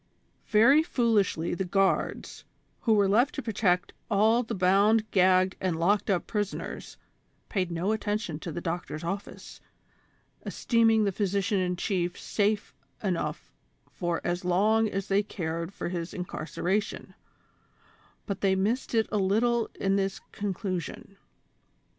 Very foolishly the guards, who were left to protect all the bound, gagged and locked up prisoners, paid no atten tion to the doctor's office, esteeming the physician in chief safe enough for as long as they cared for his incarceration ; but they missed it a little in this conclusion.